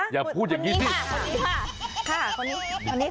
อย่าพูดอย่างนี้คนนี้ค่ะ